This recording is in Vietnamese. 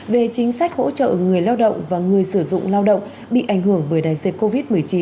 về chính sách hỗ trợ người lao động và người sử dụng lao động bị ảnh hưởng bởi đại dịch covid một mươi chín